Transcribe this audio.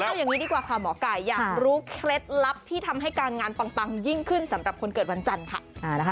เอาอย่างนี้ดีกว่าค่ะหมอไก่อยากรู้เคล็ดลับที่ทำให้การงานปังยิ่งขึ้นสำหรับคนเกิดวันจันทร์ค่ะ